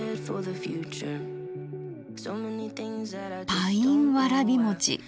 パインわらびもち。